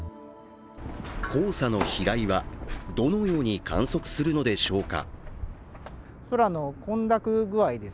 黄砂の飛来はどのように観測するのでしょうか。